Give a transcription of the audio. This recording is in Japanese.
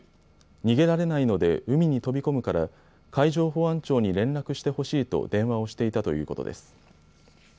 逃げられないので海に飛び込むから海上保安庁に連絡してほしいと電話をしていたということです。